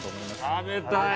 食べたい。